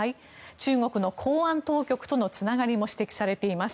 中国の公安当局とのつながりも指摘されています。